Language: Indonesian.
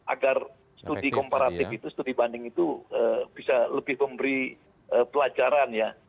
agar studi komparatif itu studi banding itu bisa lebih memberi pelajaran ya